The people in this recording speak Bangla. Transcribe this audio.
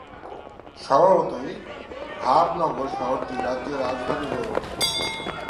স্বভাবতই, ভাবনগর শহরটি রাজ্যের রাজধানী হয়ে ওঠে।